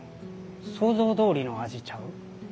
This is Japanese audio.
想像どおりの味ちゃう？